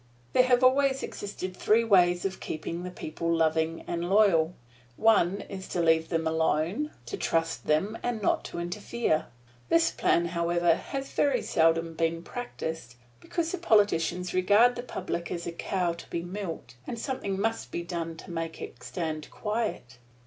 There have always existed three ways of keeping the people loving and loyal. One is to leave them alone, to trust them and not to interfere. This plan, however, has very seldom been practised, because the politicians regard the public as a cow to be milked, and something must be done to make it stand quiet.